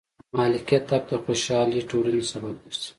د مالکیت حق د خوشحالې ټولنې سبب ګرځي.